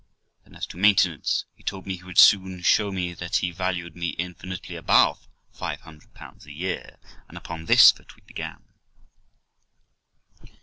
Then, as to maintenance, he told me he would soon show me that he valued me infinitely above 500 a year, and upon this foot we began.